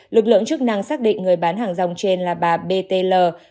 lực lượng chức năng xác định người bán hàng rong trên là bà b t l